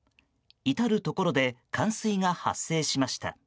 至るところで冠水が発生しました。